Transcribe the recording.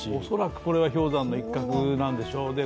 恐らくこれは氷山の一角なんでしょう。